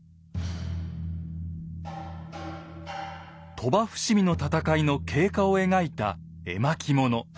鳥羽伏見の戦いの経過を描いた絵巻物。